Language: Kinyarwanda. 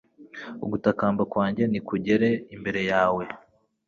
Ugutakamba kwanjye nikugere imbere yawe